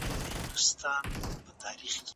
تاسي تل په مینه او محبت سره اوسیږئ.